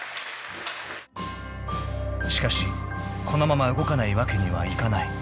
［しかしこのまま動かないわけにはいかない］